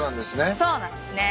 そうなんですね。